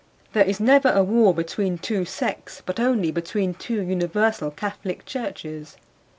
There is never a war between two sects, but only between two universal Catholic Churches.